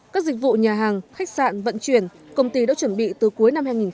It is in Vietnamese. các dịch vụ nhà hàng khách sạn vận chuyển công ty đã chuẩn bị từ cuối năm hai nghìn một mươi chín